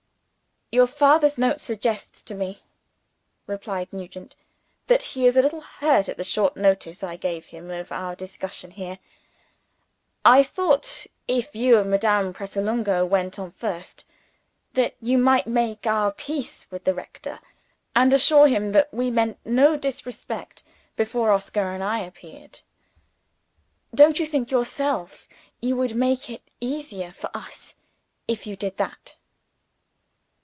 "Your father's note suggests to me," replied Nugent, "that he is a little hurt at the short notice I gave him of our discussion here. I thought if you and Madame Pratolungo went on first that you might make our peace with the rector, and assure him that we meant no disrespect, before Oscar and I appeared. Don't you think yourself you would make it easier for us, if you did that?"